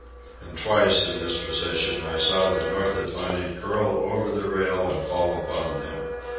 And twice, in this position, I saw the North Atlantic curl over the rail and fall upon them.